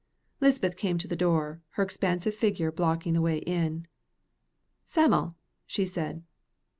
Lisbeth came to the door, her expansive figure blocking the way in. "Sam'l," she said.